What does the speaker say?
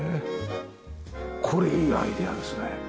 これいいアイデアですね。